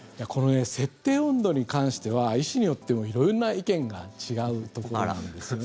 設定温度に関しては医師によっても色んな意見が違うところなんですよね。